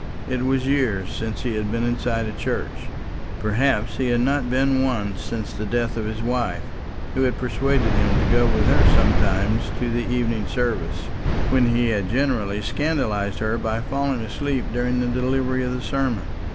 It was years since he had been inside a church; perhaps he had not been once since the death of his wife, who had persuaded him to go with her sometimes to the evening service, when he had generally scandalised her by falling asleep during the delivery of the sermon.